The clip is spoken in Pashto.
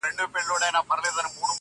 • اوس هغي لمبې ته وزرونه بورا نه نیسي -